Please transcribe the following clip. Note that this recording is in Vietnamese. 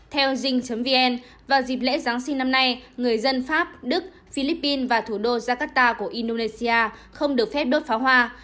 theo jing vn vào dịp lễ giáng sinh năm nay người dân pháp đức philippines và thủ đô jakarta của indonesia không được phép đốt pháo hoa